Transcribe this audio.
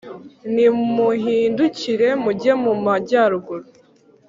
nimuhindukire mujye mu majyaruguru